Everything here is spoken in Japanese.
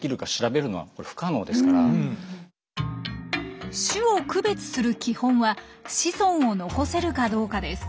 ただ種を区別する基本は子孫を残せるかどうかです。